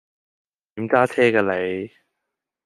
點揸車㗎你